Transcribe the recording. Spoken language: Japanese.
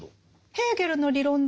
ヘーゲルの理論上